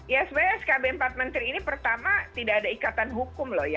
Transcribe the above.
ya sebenarnya skb empat menteri ini pertama tidak ada ikatan hukum loh ya